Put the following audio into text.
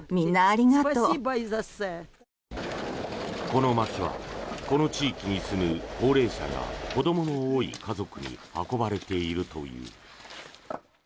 このまきはこの地域に住む高齢者や子どもの多い家庭に運ばれているという。